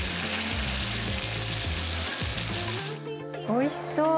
おいしそう！